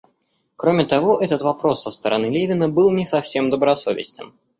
Кроме того, этот вопрос со стороны Левина был не совсем добросовестен.